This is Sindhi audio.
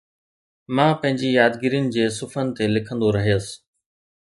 مان پنهنجي يادگيرين جي صفحن تي لکندو رهيس